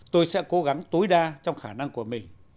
tôi sẽ cố gắng tối đa trong khả năng của mình